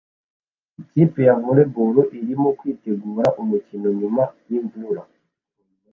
Ikipe ya volley ball irimo kwitegura umukino nyuma yimvura